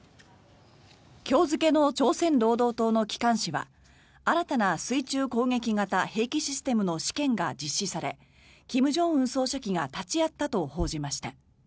今日付の朝鮮労働党の機関紙は新たな水中攻撃型兵器システムの試験が実施され金正恩総書記が立ち会ったと報じました。